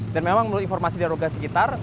dan memang menurut informasi dari warga sekitar